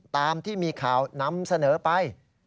ตามที่มีข่าวนำเสนอไป